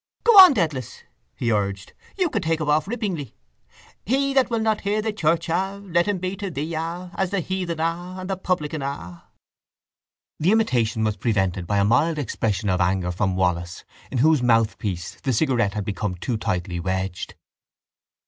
—Go on, Dedalus, he urged, you can take him off rippingly. He that will not hear the churcha let him be to theea as the heathena and the publicana. The imitation was prevented by a mild expression of anger from Wallis in whose mouthpiece the cigarette had become too tightly wedged.